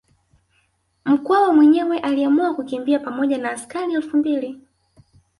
Mkwawa mwenyewe aliamua kukimbia pamoja na askari elfu mbili